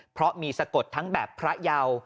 เพราะมีสะกดทั้งแบบพระเยา